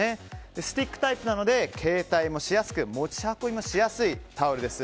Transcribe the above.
スティックタイプなので携帯もしやすく持ち運びもしやすいタオルです。